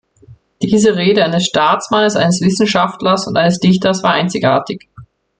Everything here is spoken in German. Diese Rede eines Staatsmannes, eines Wissenschaftlers und eines Dichters war einzigartig.